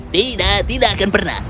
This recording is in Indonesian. tidak tidak akan pernah